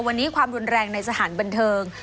วันนี้ความรุนแรงในสถานบันเทิง